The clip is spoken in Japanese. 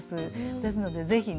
ですので是非ね